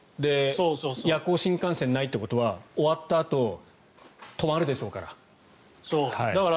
夜行新幹線がないということは終わったあと泊まるでしょうから。